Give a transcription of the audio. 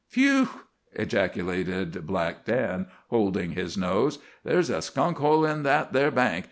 "Phew!" ejaculated Black Dan, holding his nose. "There's a skunk hole in that there bank.